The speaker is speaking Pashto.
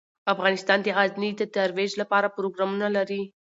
افغانستان د غزني د ترویج لپاره پروګرامونه لري.